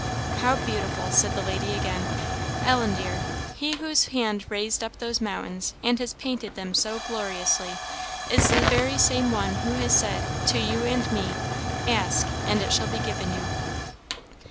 "How beautiful!" said the lady again. "Ellen, dear, He whose hand raised up those mountains, and has painted them so gloriously, is the very same One who has said, to you and to me, 'Ask and it shall be given you.'